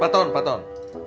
empat tahun empat tahun